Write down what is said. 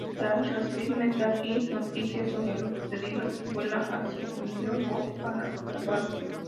Tras recibir, Meta Knight noticias sobre lo sucedido, vuela hacia "Mirror World" para salvarlo.